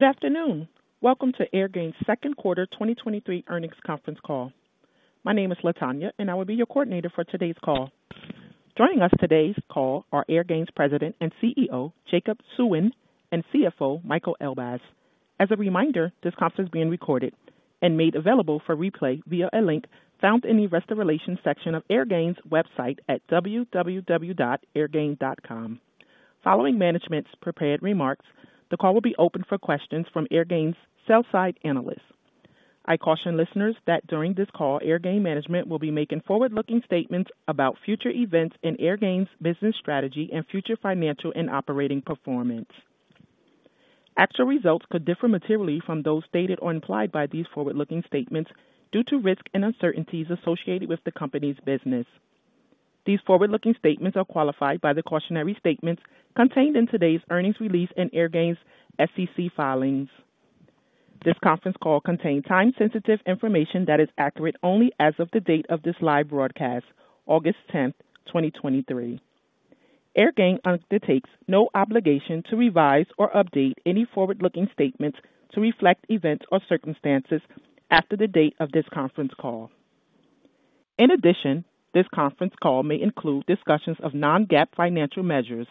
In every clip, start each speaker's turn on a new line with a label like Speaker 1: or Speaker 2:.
Speaker 1: Good afternoon. Welcome to Airgain's second quarter 2023 earnings conference call. My name is Latonya, and I will be your coordinator for today's call. Joining us today's call are Airgain's President and CEO, Jacob Suen, and CFO, Michael Elbaz. As a reminder, this conference is being recorded and made available for replay via a link found in the Investor Relations section of Airgain's website at www.airgain.com. Following management's prepared remarks, the call will be open for questions from Airgain's sell-side analysts. I caution listeners that during this call, Airgain management will be making forward-looking statements about future events in Airgain's business strategy and future financial and operating performance. Actual results could differ materially from those stated or implied by these forward-looking statements due to risks and uncertainties associated with the company's business. These forward-looking statements are qualified by the cautionary statements contained in today's earnings release and Airgain's SEC filings. This conference call contains time-sensitive information that is accurate only as of the date of this live broadcast, August 10th, 2023. Airgain undertakes no obligation to revise or update any forward-looking statements to reflect events or circumstances after the date of this conference call. In addition, this conference call may include discussions of non-GAAP financial measures.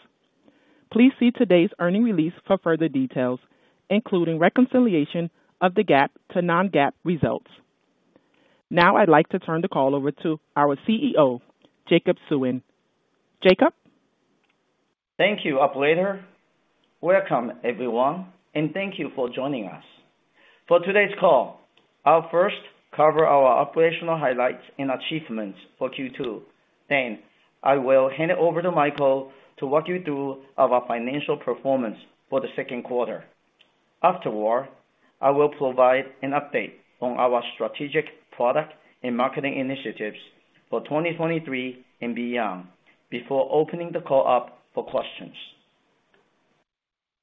Speaker 1: Please see today's earnings release for further details, including reconciliation of the GAAP to non-GAAP results. Now, I'd like to turn the call over to our CEO, Jacob Suen. Jacob?
Speaker 2: Thank you, operator. Welcome, everyone, and thank you for joining us. For today's call, I'll first cover our operational highlights and achievements for Q2. Then, I will hand it over to Michael to walk you through our financial performance for the second quarter. Afterward, I will provide an update on our strategic product and marketing initiatives for 2023 and beyond, before opening the call up for questions.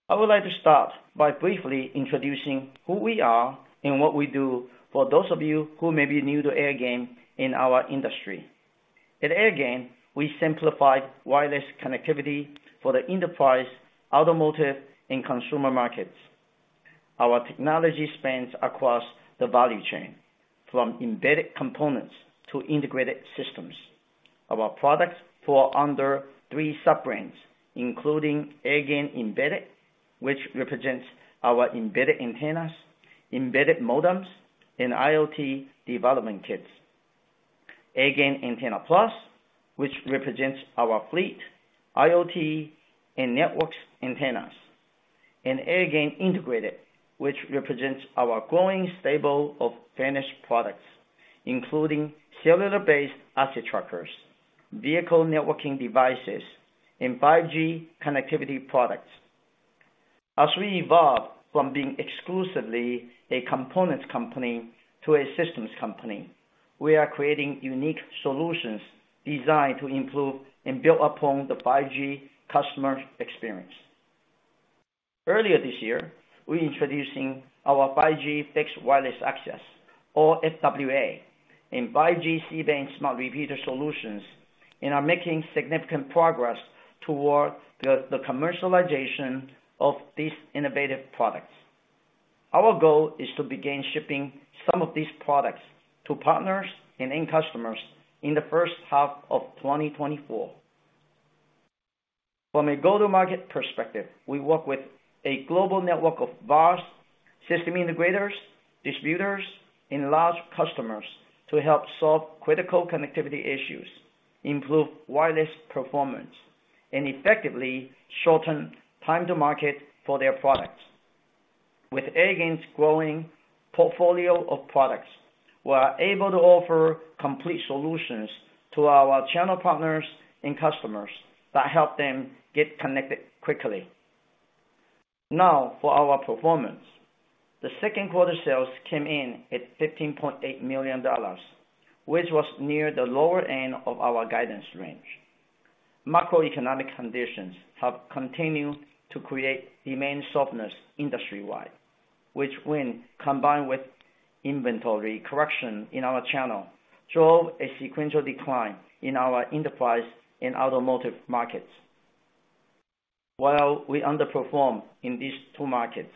Speaker 2: I would like to start by briefly introducing who we are and what we do for those of you who may be new to Airgain and our industry. At Airgain, we simplify wireless connectivity for the enterprise, automotive, and consumer markets. Our technology spans across the value chain, from embedded components to integrated systems. Our products fall under three sub-brands, including Airgain Embedded, which represents our embedded antennas, embedded modems, and IoT development kits. Airgain Antenna+, which represents our fleet, IoT, and networks antennas, and Airgain Integrated, which represents our growing stable of finished products, including cellular-based asset trackers, vehicle networking devices, and 5G connectivity products. As we evolve from being exclusively a components company to a systems company, we are creating unique solutions designed to improve and build upon the 5G customer experience. Earlier this year, we introducing our 5G fixed wireless access, or FWA, and 5G C-band smart repeater solutions, and are making significant progress toward the commercialization of these innovative products. Our goal is to begin shipping some of these products to partners and end customers in the first half of 2024. From a go-to-market perspective, we work with a global network of VARs, system integrators, distributors, and large customers to help solve critical connectivity issues, improve wireless performance, and effectively shorten time to market for their products. With Airgain's growing portfolio of products, we are able to offer complete solutions to our channel partners and customers that help them get connected quickly. Now, for our performance. The second quarter sales came in at $15.8 million, which was near the lower end of our guidance range. Macroeconomic conditions have continued to create demand softness industry-wide, which when combined with inventory correction in our channel, drove a sequential decline in our enterprise and automotive markets. While we underperformed in these two markets,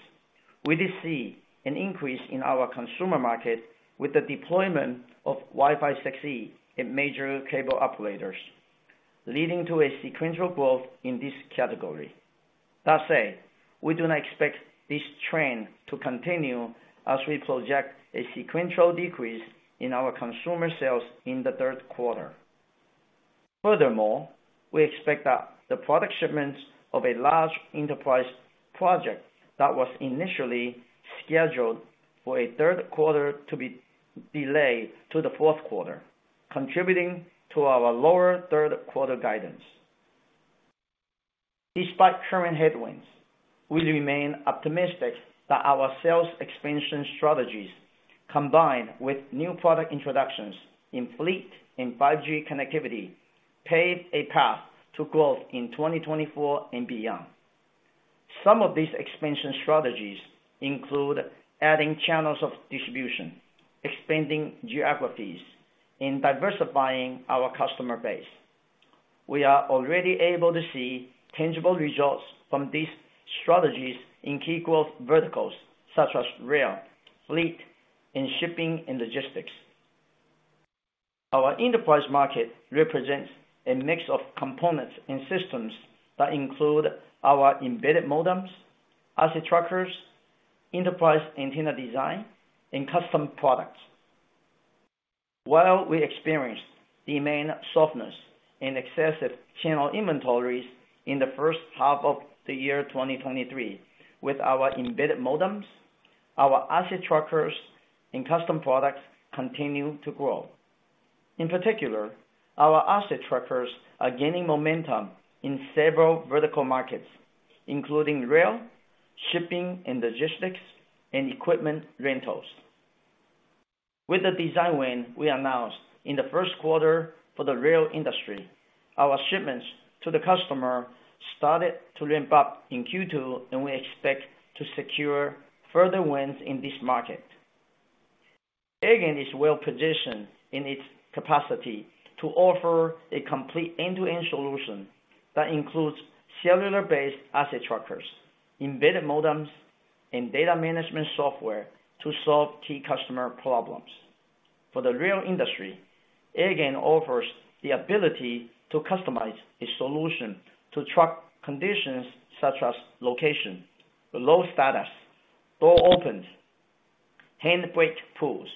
Speaker 2: we did see an increase in our consumer market with the deployment of Wi-Fi 6E in major cable operators, leading to a sequential growth in this category. That said, we do not expect this trend to continue as we project a sequential decrease in our consumer sales in the third quarter. Furthermore, we expect that the product shipments of a large enterprise project that was initially scheduled for a third quarter to be delayed to the fourth quarter, contributing to our lower third quarter guidance. Despite current headwinds, we remain optimistic that our sales expansion strategies, combined with new product introductions in fleet and 5G connectivity, pave a path to growth in 2024 and beyond. Some of these expansion strategies include adding channels of distribution, expanding geographies, and diversifying our customer base. We are already able to see tangible results from these strategies in key growth verticals such as rail, fleet, and shipping and logistics. Our enterprise market represents a mix of components and systems that include our embedded modems, asset trackers, enterprise antenna design, and custom products. While we experienced demand softness and excessive channel inventories in the first half of the year 2023, with our embedded modems, our asset trackers and custom products continue to grow. In particular, our asset trackers are gaining momentum in several vertical markets, including rail, shipping and logistics, and equipment rentals. With the design win we announced in the first quarter for the rail industry, our shipments to the customer started to ramp up in Q2. We expect to secure further wins in this market. Airgain is well positioned in its capacity to offer a complete end-to-end solution that includes cellular-based asset trackers, embedded modems, and data management software to solve key customer problems. For the rail industry, Airgain offers the ability to customize a solution to track conditions such as location, load status, door opens, hand brake pulls,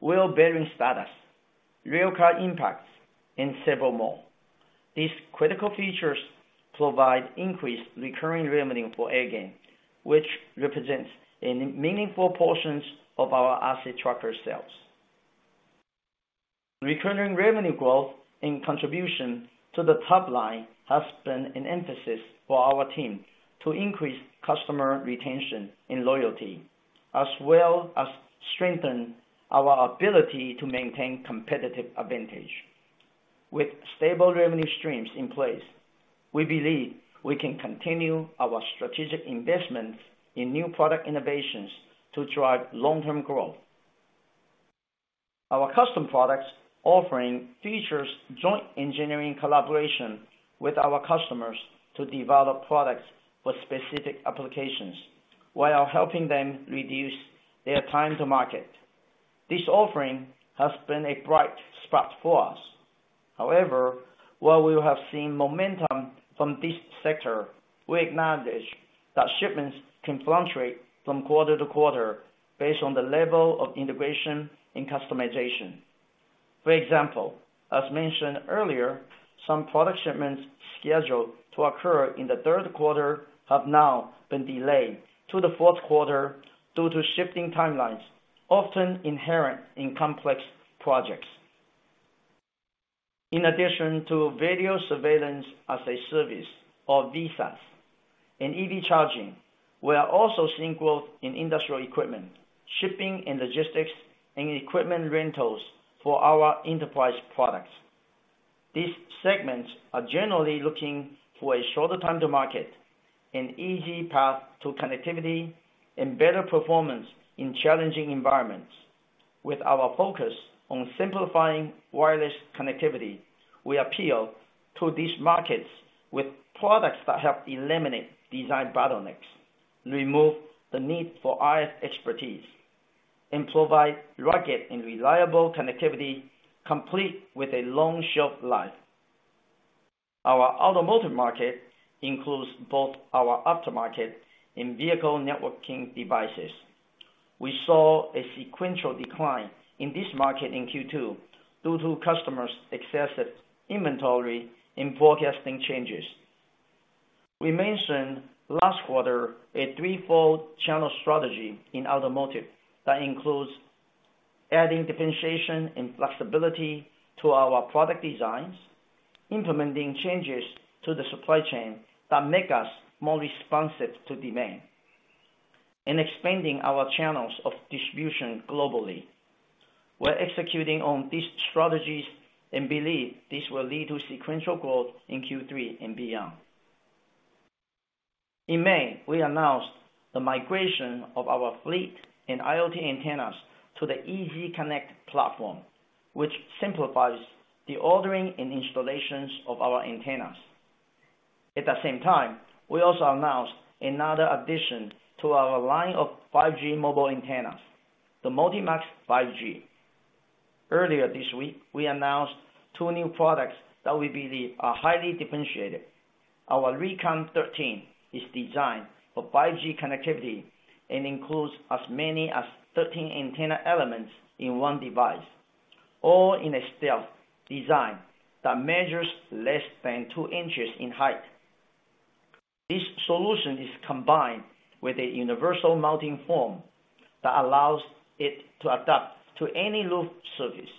Speaker 2: wheel bearing status, rail car impacts, and several more. These critical features provide increased recurring revenue for Airgain, which represents a meaningful portions of our asset tracker sales. Recurring revenue growth and contribution to the top line has been an emphasis for our team to increase customer retention and loyalty, as well as strengthen our ability to maintain competitive advantage. With stable revenue streams in place, we believe we can continue our strategic investments in new product innovations to drive long-term growth. Our custom products offering features joint engineering collaboration with our customers to develop products for specific applications, while helping them reduce their time to market. This offering has been a bright spot for us. However, while we have seen momentum from this sector, we acknowledge that shipments can fluctuate from quarter to quarter based on the level of integration and customization. For example, as mentioned earlier, some product shipments scheduled to occur in the third quarter have now been delayed to the fourth quarter due to shifting timelines, often inherent in complex projects. In addition to video surveillance as a service, or VSAS, and EV charging, we are also seeing growth in industrial equipment, shipping and logistics, and equipment rentals for our enterprise products. These segments are generally looking for a shorter time to market, an easy path to connectivity, and better performance in challenging environments. With our focus on simplifying wireless connectivity, we appeal to these markets with products that help eliminate design bottlenecks, remove the need for RF expertise, and provide rugged and reliable connectivity, complete with a long shelf life. Our automotive market includes both our aftermarket and vehicle networking devices. We saw a sequential decline in this market in Q2 due to customers' excessive inventory and forecasting changes. We mentioned last quarter, a threefold channel strategy in automotive that includes adding differentiation and flexibility to our product designs, implementing changes to the supply chain that make us more responsive to demand, and expanding our channels of distribution globally. We're executing on these strategies and believe this will lead to sequential growth in Q3 and beyond. In May, we announced the migration of our fleet and IoT antennas to the EZConnect platform, which simplifies the ordering and installations of our antennas. At the same time, we also announced another addition to our line of 5G mobile antennas, the MULTIMAX 5G. Earlier this week, we announced two new products that we believe are highly differentiated. Our RECON13 is designed for 5G connectivity and includes as many as 13 antenna elements in one device, all in a stealth design that measures less than two inches in height. This solution is combined with a universal mounting form that allows it to adapt to any roof surface.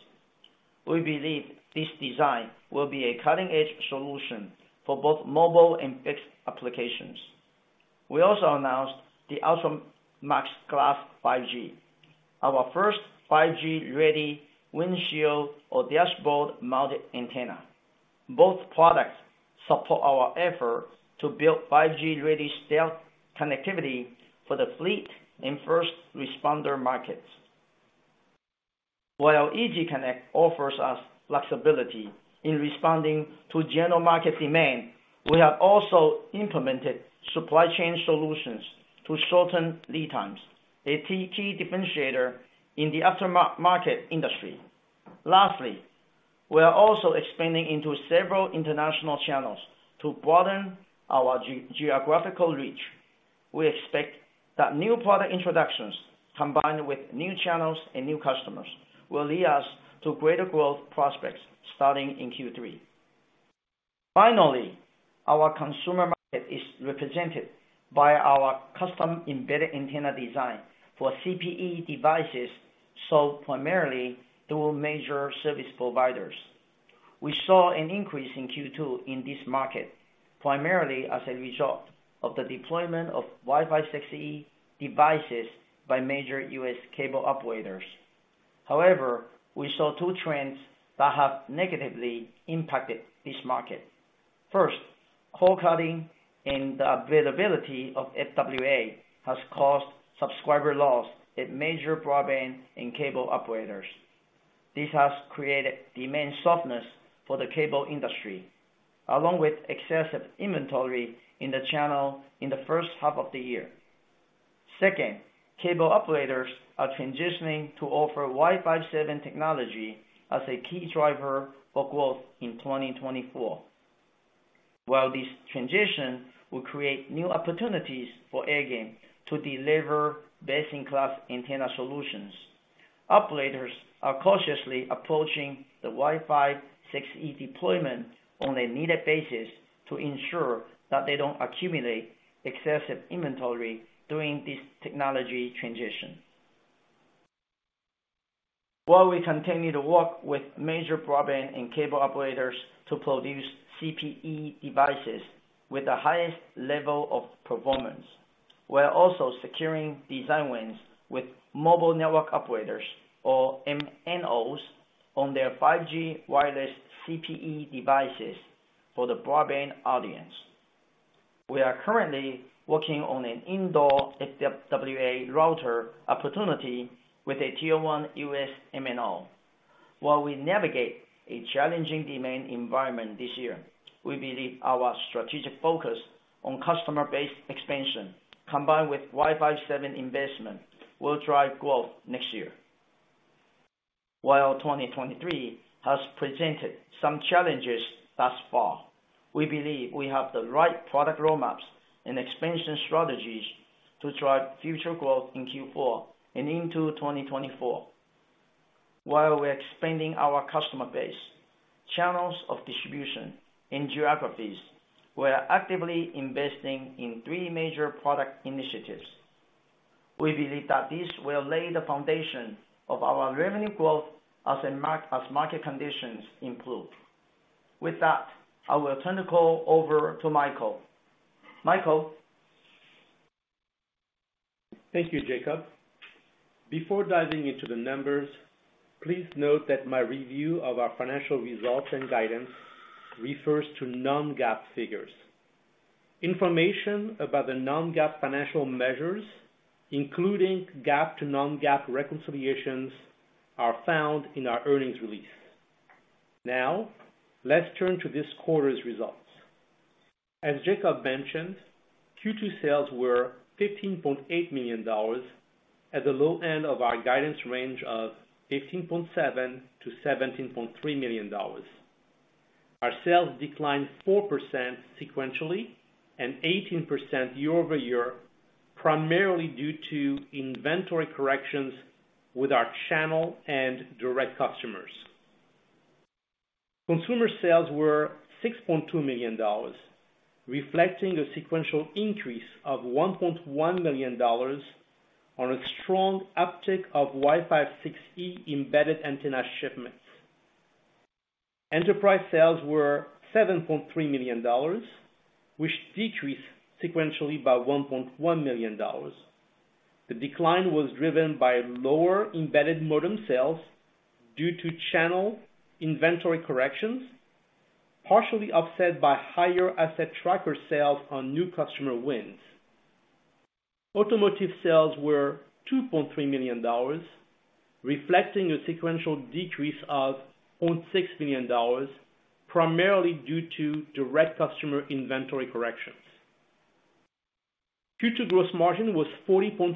Speaker 2: We believe this design will be a cutting-edge solution for both mobile and fixed applications. We also announced the ULTRAMAX Glass 5G, our first 5G-ready windshield or dashboard mounted antenna. Both products support our effort to build 5G-ready stealth connectivity for the fleet and first responder markets. While EZConnect offers us flexibility in responding to general market demand, we have also implemented supply chain solutions to shorten lead times, a key, key differentiator in the aftermarket market industry. Lastly, we are also expanding into several international channels to broaden our geographical reach. We expect that new product introductions, combined with new channels and new customers, will lead us to greater growth prospects starting in Q3. Finally, our consumer market is represented by our custom embedded antenna design for CPE devices, sold primarily through major service providers. We saw an increase in Q2 in this market, primarily as a result of the deployment of Wi-Fi 6E devices by major U.S. cable operators. However, we saw two trends that have negatively impacted this market. First, cord-cutting and the availability of FWA has caused subscriber loss at major broadband and cable operators. This has created demand softness for the cable industry, along with excessive inventory in the channel in the first half of the year. Second, cable operators are transitioning to offer Wi-Fi 7 technology as a key driver for growth in 2024. While this transition will create new opportunities for Airgain to deliver best-in-class antenna solutions, operators are cautiously approaching the Wi-Fi 6E deployment on a needed basis to ensure that they don't accumulate excessive inventory during this technology transition. While we continue to work with major broadband and cable operators to produce CPE devices with the highest level of performance, we are also securing design wins with mobile network operators, or MNOs, on their 5G wireless CPE devices for the broadband audience. We are currently working on an indoor FWA router opportunity with a tier 1 U.S. MNO. While we navigate a challenging demand environment this year, we believe our strategic focus on customer base expansion, combined with Wi-Fi 7 investment, will drive growth next year. While 2023 has presented some challenges thus far, we believe we have the right product roadmaps and expansion strategies to drive future growth in Q4 and into 2024. While we're expanding our customer base, channels of distribution, and geographies, we are actively investing in three major product initiatives. We believe that this will lay the foundation of our revenue growth as market conditions improve. With that, I will turn the call over to Michael. Michael?
Speaker 3: Thank you, Jacob. Before diving into the numbers, please note that my review of our financial results and guidance refers to non-GAAP figures. Information about the non-GAAP financial measures, including GAAP to non-GAAP reconciliations, are found in our earnings release. Let's turn to this quarter's results. As Jacob mentioned, Q2 sales were $15.8 million, at the low end of our guidance range of $15.7 million-$17.3 million. Our sales declined 4% sequentially, and 18% year-over-year, primarily due to inventory corrections with our channel and direct customers. Consumer sales were $6.2 million, reflecting a sequential increase of $1.1 million on a strong uptick of Wi-Fi 6E embedded antenna shipments. Enterprise sales were $7.3 million, which decreased sequentially by $1.1 million. The decline was driven by lower embedded modem sales due to channel inventory corrections, partially offset by higher asset tracker sales on new customer wins. Automotive sales were $2.3 million, reflecting a sequential decrease of $0.6 million, primarily due to direct customer inventory corrections. Q2 gross margin was 40.4%,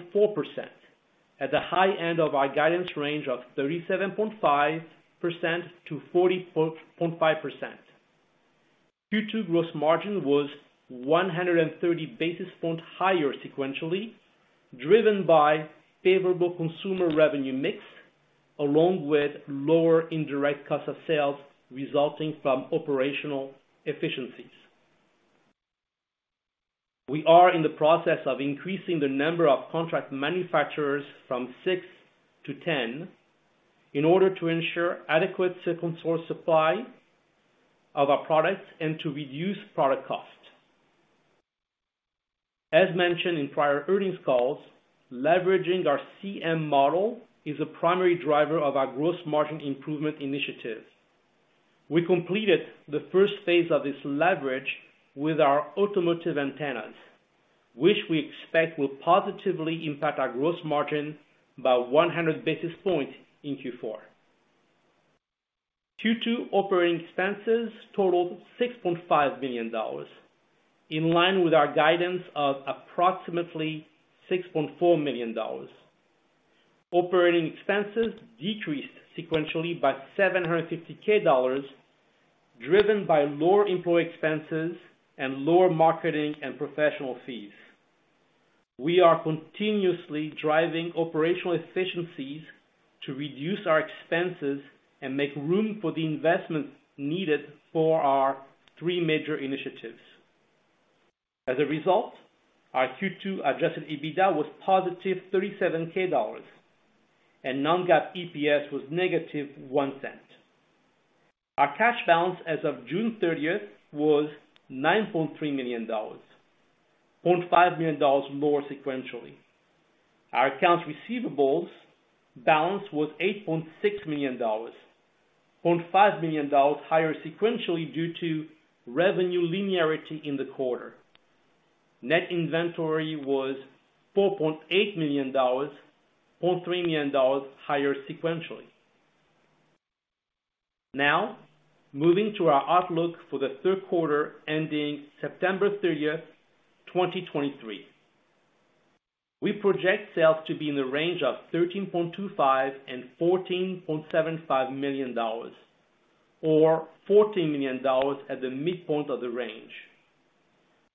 Speaker 3: at the high end of our guidance range of 37.5%-40.5%. Q2 gross margin was 130 basis points higher sequentially, driven by favorable consumer revenue mix, along with lower indirect cost of sales resulting from operational efficiencies. We are in the process of increasing the number of contract manufacturers from six to 10, in order to ensure adequate second source supply of our products and to reduce product cost. As mentioned in prior earnings calls, leveraging our CM model is a primary driver of our gross margin improvement initiative. We completed the first phase of this leverage with our automotive antennas, which we expect will positively impact our gross margin by 100 basis points in Q4. Q2 operating expenses totaled $6.5 million, in line with our guidance of approximately $6.4 million. Operating expenses decreased sequentially by $750K, driven by lower employee expenses and lower marketing and professional fees. We are continuously driving operational efficiencies to reduce our expenses and make room for the investments needed for our three major initiatives. As a result, our Q2 adjusted EBITDA was positive $37K, and non-GAAP EPS was negative $0.01. Our cash balance as of June 30th was $9.3 million, $0.5 million more sequentially. Our accounts receivables balance was $8.6 million, $0.5 million higher sequentially due to revenue linearity in the quarter. Net inventory was $4.8 million, $0.3 million higher sequentially. Moving to our outlook for the third quarter ending September 30th, 2023. We project sales to be in the range of $13.25 million-$14.75 million, or $14 million at the midpoint of the range.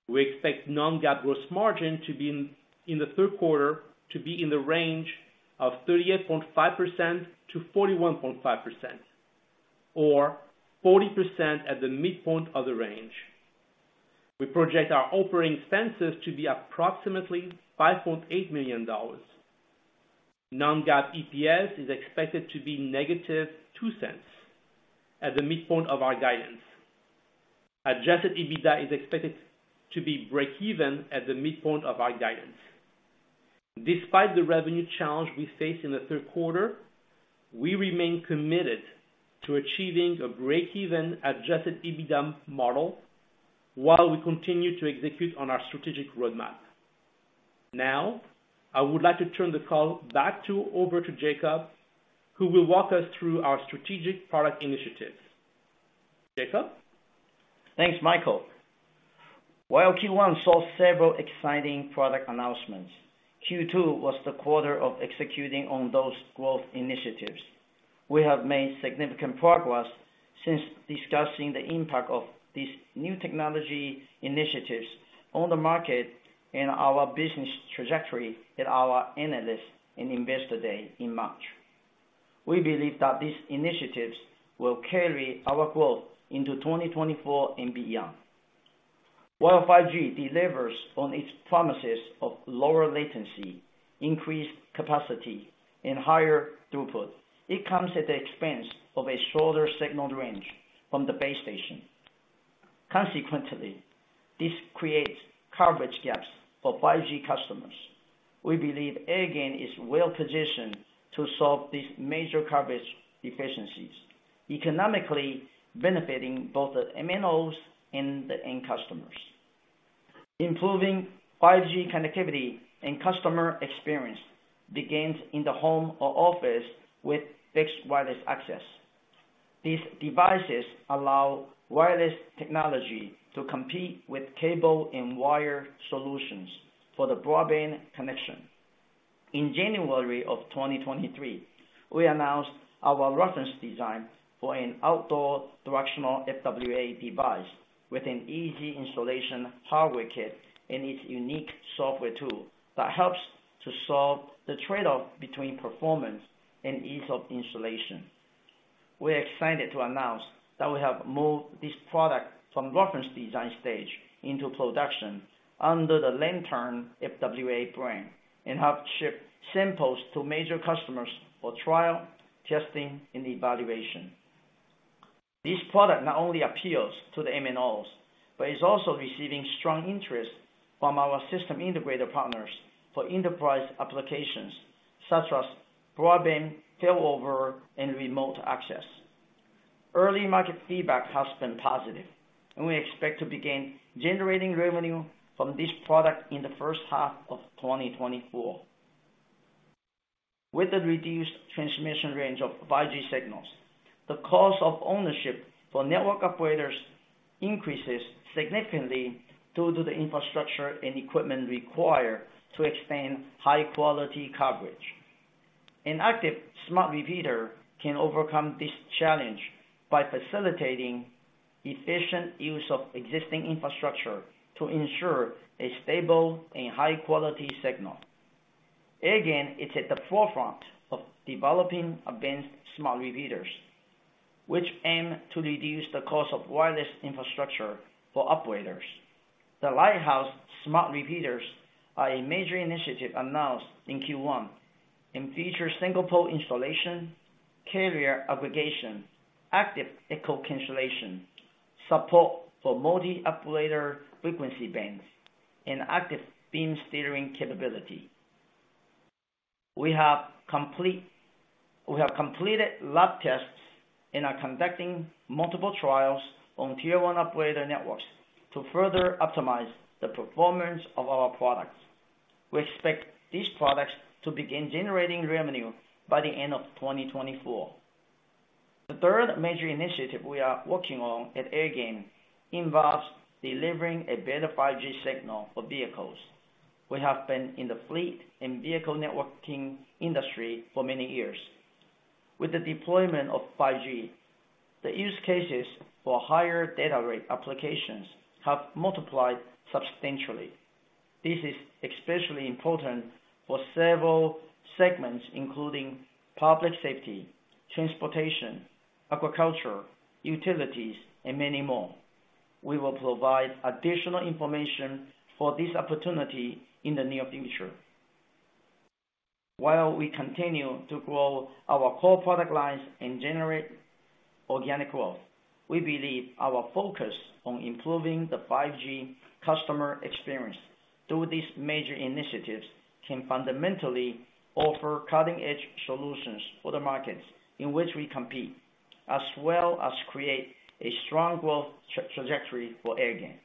Speaker 3: We expect non-GAAP gross margin to be in the third quarter to be in the range of 38.5%-41.5%, or 40% at the midpoint of the range. We project our operating expenses to be approximately $5.8 million. Non-GAAP EPS is expected to be negative $0.02 at the midpoint of our guidance. Adjusted EBITDA is expected to be breakeven at the midpoint of our guidance. Despite the revenue challenge we face in the third quarter, we remain committed to achieving a breakeven adjusted EBITDA model while we continue to execute on our strategic roadmap. I would like to turn the call over to Jacob, who will walk us through our strategic product initiatives. Jacob?
Speaker 2: Thanks, Michael. Q1 saw several exciting product announcements, Q2 was the quarter of executing on those growth initiatives. We have made significant progress since discussing the impact of these new technology initiatives on the market and our business trajectory at our analyst and investor day in March. We believe that these initiatives will carry our growth into 2024 and beyond. While 5G delivers on its promises of lower latency, increased capacity, and higher throughput, it comes at the expense of a shorter signaled range from the base station. Consequently, this creates coverage gaps for 5G customers. We believe Airgain is well positioned to solve these major coverage deficiencies, economically benefiting both the MNOs and the end customers. Improving 5G connectivity and customer experience begins in the home or office with fixed wireless access. These devices allow wireless technology to compete with cable and wire solutions for the broadband connection. In January of 2023, we announced our reference design for an outdoor directional FWA device with an easy installation hardware kit and its unique software tool that helps to solve the trade-off between performance and ease of installation. We're excited to announce that we have moved this product from reference design stage into production under the Lantern FWA brand, and have shipped samples to major customers for trial, testing, and evaluation. This product not only appeals to the MNOs, but is also receiving strong interest from our system integrator partners for enterprise applications such as broadband, failover, and remote access. Early market feedback has been positive, and we expect to begin generating revenue from this product in the first half of 2024. With the reduced transmission range of 5G signals, the cost of ownership for network operators increases significantly due to the infrastructure and equipment required to extend high-quality coverage. An active smart repeater can overcome this challenge by facilitating efficient use of existing infrastructure to ensure a stable and high-quality signal. Airgain is at the forefront of developing advanced smart repeaters, which aim to reduce the cost of wireless infrastructure for operators. The Lighthouse Smart Repeaters are a major initiative announced in Q1 and feature single pole installation, carrier aggregation, active echo cancellation, support for multi-operator frequency bands, and active beam steering capability. We have completed lab tests. We are conducting multiple trials on Tier 1 operator networks to further optimize the performance of our products. We expect these products to begin generating revenue by the end of 2024. The third major initiative we are working on at Airgain involves delivering a better 5G signal for vehicles. We have been in the fleet and vehicle networking industry for many years. With the deployment of 5G, the use cases for higher data rate applications have multiplied substantially. This is especially important for several segments, including public safety, transportation, agriculture, utilities, and many more. We will provide additional information for this opportunity in the near future. While we continue to grow our core product lines and generate organic growth, we believe our focus on improving the 5G customer experience through these major initiatives can fundamentally offer cutting-edge solutions for the markets in which we compete, as well as create a strong growth trajectory for Airgain.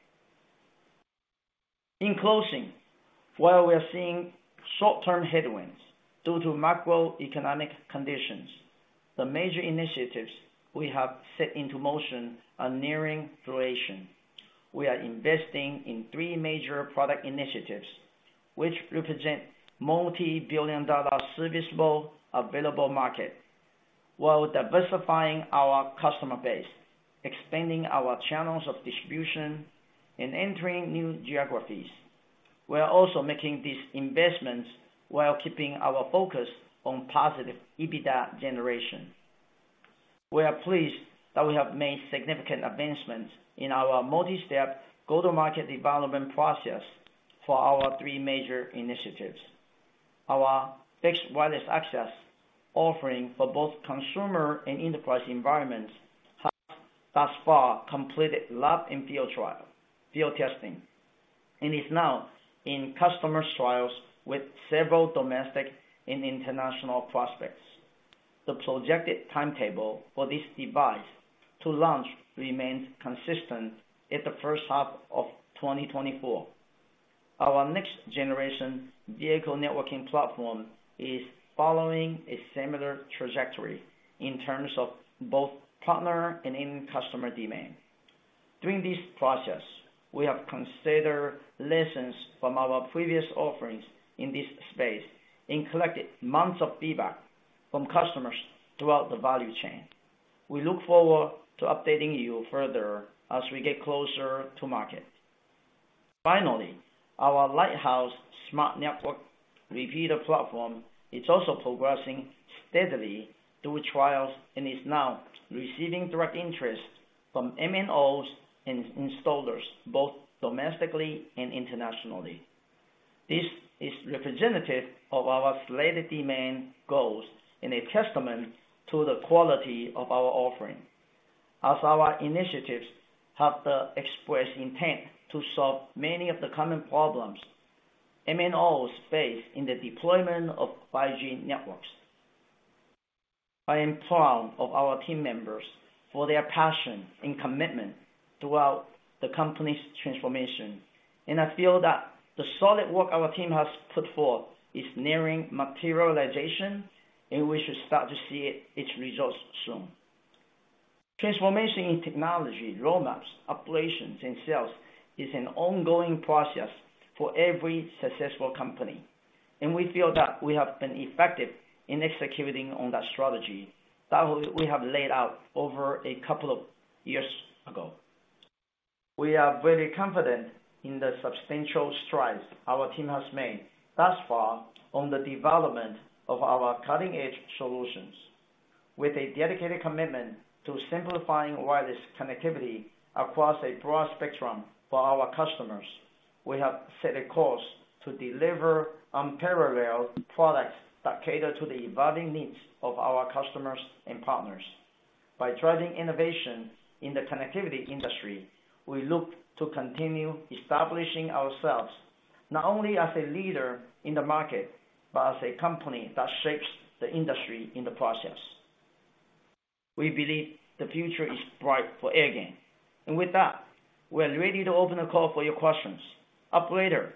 Speaker 2: In closing, while we are seeing short-term headwinds due to macroeconomic conditions, the major initiatives we have set into motion are nearing fruition. We are investing in three major product initiatives, which represent multi-billion dollar serviceable available market, while diversifying our customer base, expanding our channels of distribution, and entering new geographies. We are also making these investments while keeping our focus on positive EBITDA generation. We are pleased that we have made significant advancements in our multi-step go-to-market development process for our three major initiatives. Our fixed wireless access offering for both consumer and enterprise environments have thus far completed lab and field trial, field testing, and is now in customer trials with several domestic and international prospects. The projected timetable for this device to launch remains consistent in the first half of 2024. Our next generation vehicle networking platform is following a similar trajectory in terms of both partner and end customer demand. During this process, we have considered lessons from our previous offerings in this space and collected months of feedback from customers throughout the value chain. We look forward to updating you further as we get closer to market. Finally, our Lighthouse Smart Network Repeater platform is also progressing steadily through trials and is now receiving direct interest from MNOs and installers, both domestically and internationally. This is representative of our slated demand goals and a testament to the quality of our offering, as our initiatives have the express intent to solve many of the common problems MNOs face in the deployment of 5G networks. I am proud of our team members for their passion and commitment throughout the company's transformation, and I feel that the solid work our team has put forth is nearing materialization, and we should start to see its results soon. Transformation in technology, roadmaps, operations, and sales is an ongoing process for every successful company, and we feel that we have been effective in executing on that strategy that we have laid out over a couple of years ago. We are very confident in the substantial strides our team has made thus far on the development of our cutting-edge solutions. With a dedicated commitment to simplifying wireless connectivity across a broad spectrum for our customers, we have set a course to deliver unparalleled products that cater to the evolving needs of our customers and partners. By driving innovation in the connectivity industry, we look to continue establishing ourselves not only as a leader in the market, but as a company that shapes the industry in the process. We believe the future is bright for Airgain. With that, we are ready to open the call for your questions. Operator,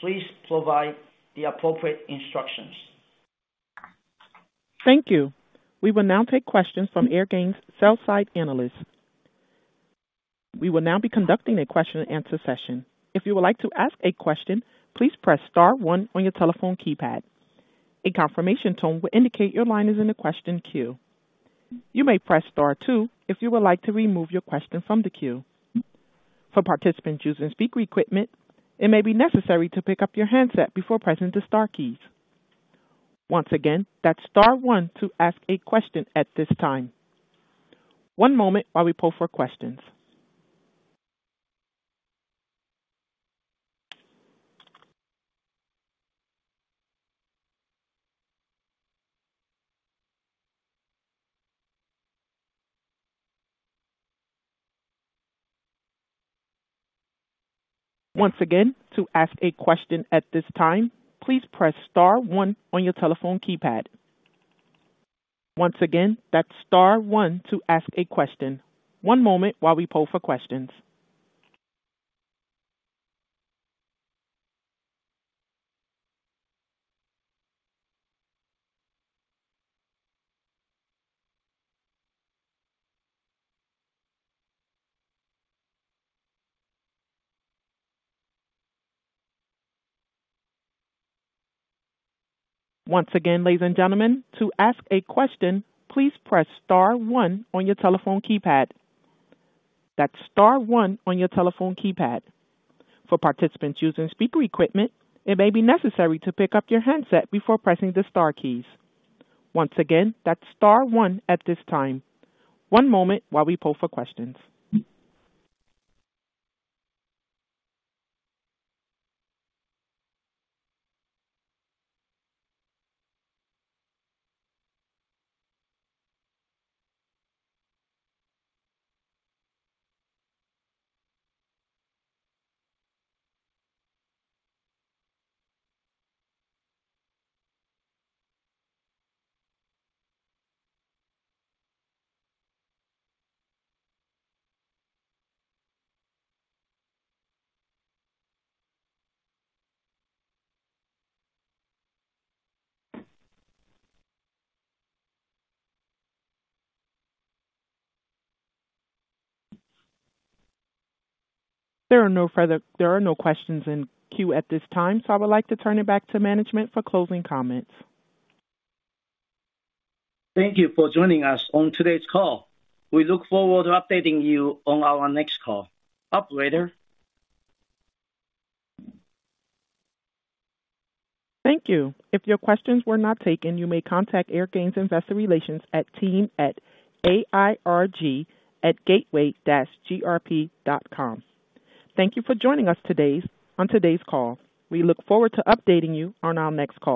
Speaker 2: please provide the appropriate instructions.
Speaker 1: Thank you. We will now take questions from Airgain's sell-side analysts. We will now be conducting a question and answer session. If you would like to ask a question, please press star one on your telephone keypad. A confirmation tone will indicate your line is in the question queue. You may press star two if you would like to remove your question from the queue. For participants using speaker equipment, it may be necessary to pick up your handset before pressing the star keys. Once again, that's star one to ask a question at this time. One moment while we poll for questions. Once again, to ask a question at this time, please press star one on your telephone keypad. Once again, that's star one to ask a question. One moment while we poll for questions. Once again, ladies and gentlemen, to ask a question, please press star one on your telephone keypad. That's star one on your telephone keypad. For participants using speaker equipment, it may be necessary to pick up your handset before pressing the star keys. Once again, that's star one at this time. One moment while we poll for questions. There are no questions in queue at this time, so I would like to turn it back to management for closing comments.
Speaker 2: Thank you for joining us on today's call. We look forward to updating you on our next call. Operator?
Speaker 1: Thank you. If your questions were not taken, you may contact Airgain's Investor Relations at AIRG@gateway-grp.com. Thank you for joining us on today's call. We look forward to updating you on our next call.